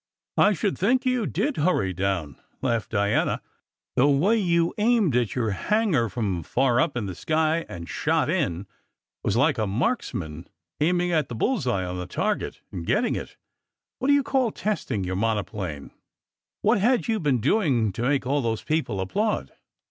"I should think you did hurry down! " laughed Diana. "The way you aimed at your hangar from far up in the sky, and shot in, was like a marksman aiming at the bull s eye on a target, and getting it. What do you call testing your monoplane? W T hat had you been doing to make all those people applaud?"